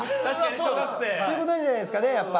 そういうことじゃないですかねやっぱ。